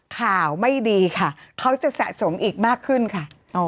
ข่าวไม่ดีค่ะเขาจะสะสมอีกมากขึ้นค่ะ